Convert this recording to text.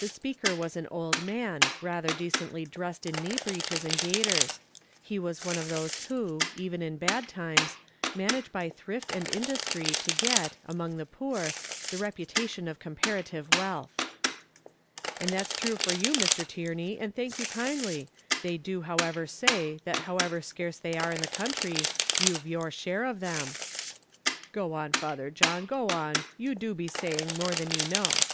The speaker was an old man, rather decently dressed in knee breeches and gaiters; he was one of those who, even in bad times, manage by thrift and industry to get, among the poor, the reputation of comparative wealth. "And that's true for you, Mr. Tierney, and thank you kindly; they do however say, that however scarce they are in the country, you've your share of them." "Go on, Father John, go on, you do be saying more than you know."